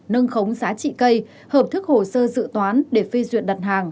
nâng khống giá trị cây hợp thức hồ sơ dự toán để phê duyệt đặt hàng